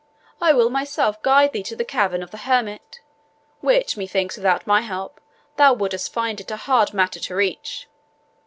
I will myself guide thee to the cavern of the hermit, which, methinks, without my help, thou wouldst find it a hard matter to reach.